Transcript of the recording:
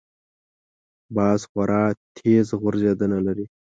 باز خورا تېز غورځېدنه لري